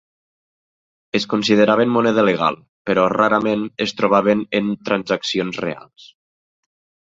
Es consideraven moneda legal, però rarament es trobaven en transaccions reals.